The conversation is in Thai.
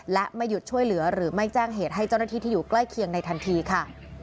และไม่หยุดช่วยเหลือหรือไม่แจ้งเหตุให้เจ้าหน้าที่ที่อยู่ใกล้เคียงในทันทีค่ะ